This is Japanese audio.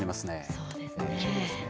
そうですね。